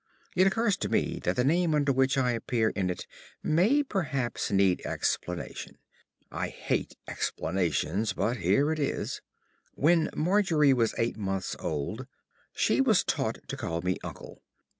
It occurs to me that the name under which I appear in it may perhaps need explanation. I hate explanations, but here it is. When Margery was eight months old, she was taught to call me "Uncle."